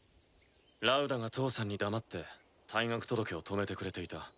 ラウダが父さんに黙って退学届を止めてくれていた。